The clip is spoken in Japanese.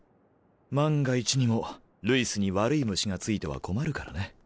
万が一にもルイスに悪い虫が付いては困るからね。